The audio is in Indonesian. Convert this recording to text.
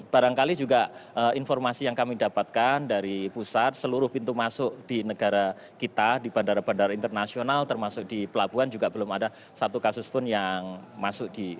barangkali juga informasi yang kami dapatkan dari pusat seluruh pintu masuk di negara kita di bandara bandara internasional termasuk di pelabuhan juga belum ada satu kasus pun yang masuk